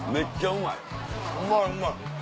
うまいうまい。